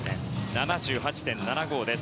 ７８．７５です。